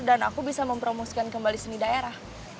dan aku bisa mempromosikan kembali seni daerah